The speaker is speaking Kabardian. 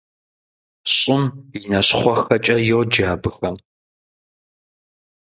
«ЩӀым и нащхъуэхэкӀэ» йоджэ абыхэм.